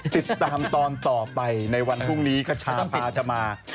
ติดตามตอนต่อไปในวันพรุ่งนี้กระชาพาจะมา